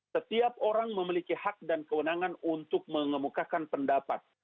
setiap orang memiliki hak dan kewenangan untuk mengemukakan pendapat